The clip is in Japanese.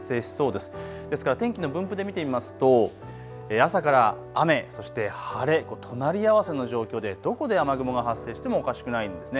ですから天気の分布で見てみますと朝から雨、そして晴れ、隣り合わせの状況でどこで雨雲が発生してもおかしくないんですね。